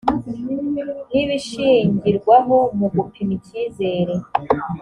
n ibishingirwaho mu gupima icyizere